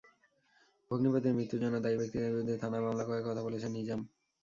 ভগ্নিপতির মৃত্যুর জন্য দায়ী ব্যক্তিদের বিরুদ্ধে থানায় মামলা করার কথা বলেছেন নিজাম।